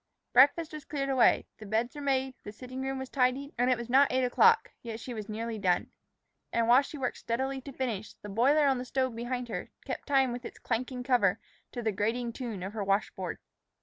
Breakfast was cleared away, the beds were made, the sitting room was tidied, and it was not eight o'clock, yet she was nearly done. And while she worked steadily to finish, the boiler on the stove behind her kept time with its clanking cover to the grating tune of her washboard.